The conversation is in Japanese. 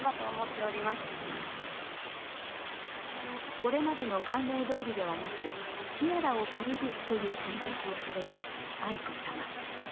これまでの慣例どおりではなく、ティアラを借りるという選択をされた愛子さま。